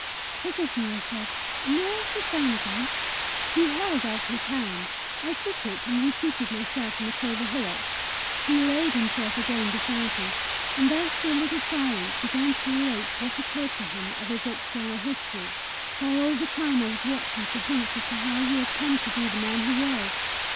"Forgive me," I said. "May I sit down again?" He held out his hand. I took it, and reseated myself on the clover hillock. He laid himself again beside me, and after a little silence began to relate what occurred to him of his external history, while all the time I was watching for hints as to how he had come to be the man he was.